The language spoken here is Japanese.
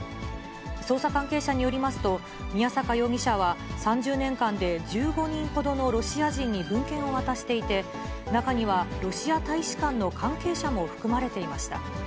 捜査関係者によりますと、宮坂容疑者は、３０年間で１５人ほどのロシア人に文献を渡していて、中にはロシア大使館の関係者も含まれていました。